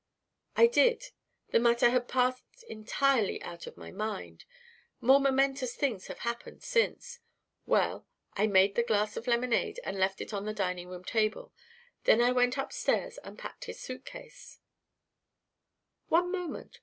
"I did. The matter had passed entirely out of my mind. More momentous things have happened since! Well I made the glass of lemonade and left it on the dining room table; then I went upstairs and packed his suitcase " "One moment.